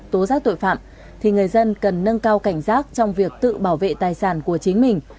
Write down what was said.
tố giác tội phạm thì người dân cần nâng cao cảnh giác trong việc tự bảo vệ tài sản của chính mình